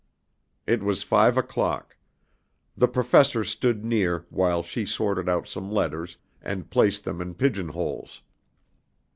It was five o'clock. The Professor stood near while she sorted out some letters and placed them in pigeon holes.